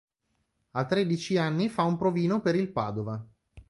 A tredici anni fa un provino per il Padova.